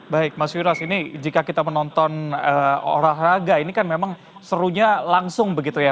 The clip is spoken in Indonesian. baik mas yuras ini jika kita menonton olahraga ini kan memang serunya langsung begitu ya